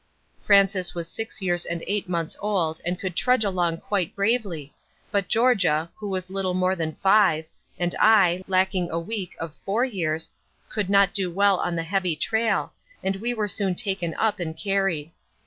Frances was six years and eight months old and could trudge along quite bravely, but Georgia, who was little more than five, and I, lacking a week of four years, could not do well on the heavy trail, and we were soon taken up and carried.